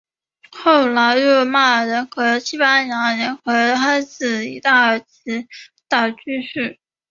后来诺曼人和西班牙人开始移到此岛居住。